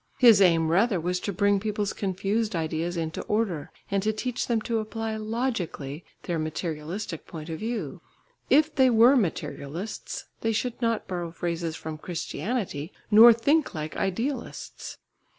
His aim rather was to bring people's confused ideas into order, and to teach them to apply logically their materialistic point of view. If they were materialists, they should not borrow phrases from Christianity, nor think like idealists.